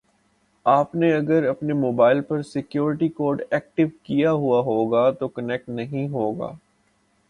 آپ نے اگر اپنے موبائل پر سیکیوریٹی کوڈ ایکٹیو کیا ہوا ہوگا تو کنیکٹ نہیں ہوگا